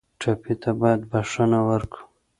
ټپي ته باید بښنه ورکړو.